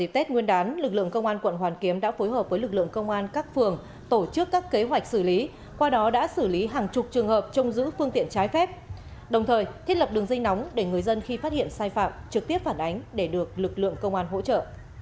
tết nguyên đán lực lượng công an quận hoàn kiếm đã phối hợp với lực lượng công an các phường tổ chức các kế hoạch xử lý qua đó đã xử lý hàng chục trường hợp trông giữ phương tiện trái phép đồng thời thiết lập đường dây nóng để người dân khi phát hiện sai phạm trực tiếp phản ánh để được lực lượng công an hỗ trợ